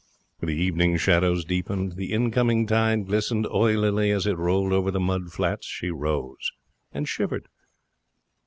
The evening shadows deepened. The incoming tide glistened oilily as it rolled over the mud flats. She rose and shivered.